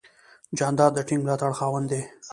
جانداد د ټینګ ملاتړ خاوند دی.